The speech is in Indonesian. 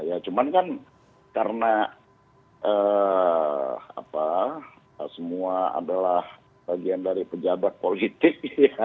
ya cuman kan karena semua adalah bagian dari pejabat politik